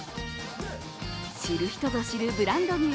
知る人ぞ知るブランド牛